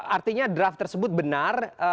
artinya draft tersebut benar